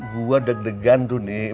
gue deg degan tuh nih